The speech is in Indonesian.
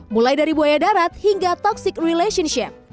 mulai dari buaya darat hingga toxic relationship